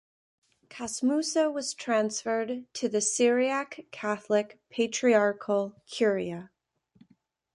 Casmoussa was transferred to the Syriac Catholic Patriarchal Curia.